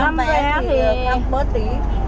năm vé thì bớt tí